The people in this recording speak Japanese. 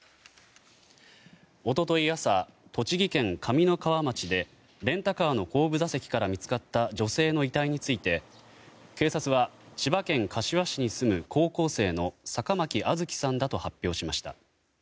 一昨日朝、栃木県上三川町でレンタカーの後部座席から見つかった女性の遺体について警察は、千葉県柏市に住む高校生の坂巻杏月さんだと発表しました。